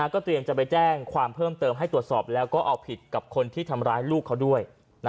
ก็เตรียมจะไปแจ้งความเพิ่มเติมให้ตรวจสอบแล้วก็เอาผิดกับคนที่ทำร้ายลูกเขาด้วย